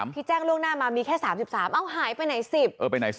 ที่แจ้งล่วงหน้ามามีแค่๓๓เอาหายไปไหน๑๐